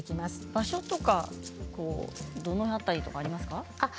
場所とかどの辺りとかありますか？